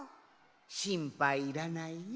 しんぱいいらないよ。